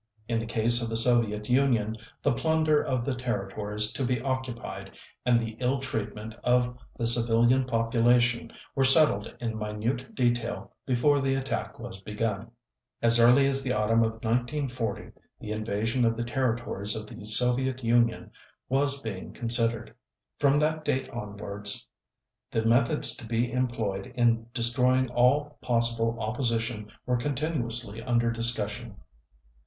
In the case of the Soviet Union, the plunder of the territories to be occupied, and the ill treatment of the civilian population, were settled in minute detail before the attack was begun. As early as the autumn of 1940, the invasion of the territories of the Soviet Union was being considered. From that date onwards, the methods to be employed in destroying all possible opposition were continuously under discussion.